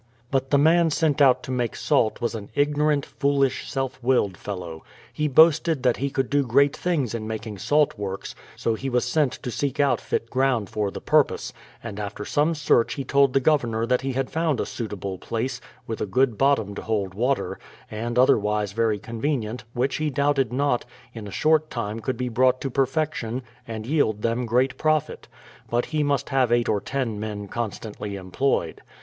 But the man sent out to make salt was an ignorant, fool ish, self willed fellow. He boasted that he could do great things in making salt works ; so he was sent to seek out fit ground for the purpose ; and after some search he told the Governor that he had found a suitable place, with a good bottom to hold water, and otherwise very convenient, which he doubted not, in a short time could be brought to per fection, and yield them great profit ; but he must have eight or ten men constantly employed.